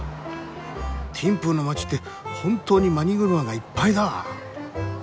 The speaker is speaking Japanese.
ティンプーの街って本当にマニ車がいっぱいだ。